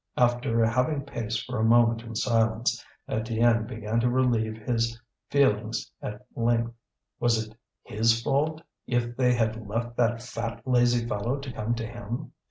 After having paced for a moment in silence, Étienne began to relieve his feelings at length. Was it his fault if they had left that fat lazy fellow to come to him?